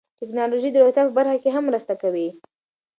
ټکنالوژي د روغتیا په برخه کې هم مرسته کوي.